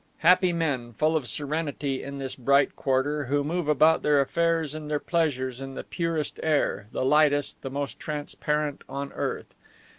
Happy men, full of serenity in this bright quarter, who move about their affairs and their pleasures in the purest air, the lightest, the most transparent on earth.